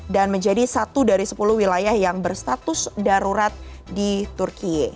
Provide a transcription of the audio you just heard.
dan menjadi satu dari sepuluh wilayah yang berstatus darurat di turki